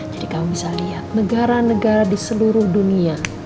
kamu bisa lihat negara negara di seluruh dunia